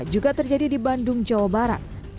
juga terjadi di bandung jawa barat